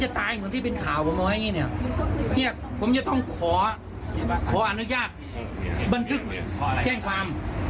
เจ้าหน้าที่ท่านั่นบอกว่า